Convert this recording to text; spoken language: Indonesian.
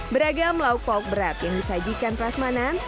beragam lauk lauk berat yang disajikan prasmanan